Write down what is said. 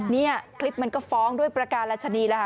เนี่ยคลิปมันก็ฟ้องด้วยประการรัชนีนะฮะ